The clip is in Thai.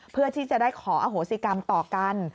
เพื่อที่จะได้ขออโหสิกรรมต่อกัน